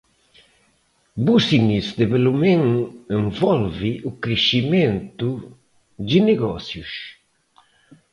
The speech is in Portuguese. Business Development envolve o crescimento de negócios.